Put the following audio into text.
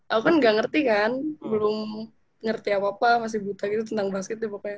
aku kan gak ngerti kan belum ngerti apa apa masih buta gitu tentang basketnya pokoknya